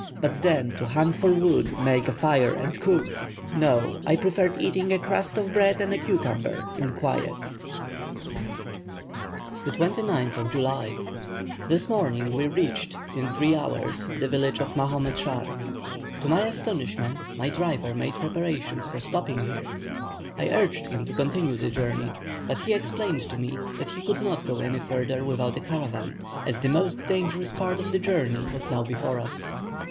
But then to hunt for wood, make a fire, and cook! No; I preferred eating a crust of bread and a cucumber in quiet. 29th July. This morning we reached, in three hours, the village of Mahomed Schar. To my astonishment my driver made preparations for stopping here. I urged him to continue the journey, but he explained to me that he could not go any further without a caravan, as the most dangerous part of the journey was now before us.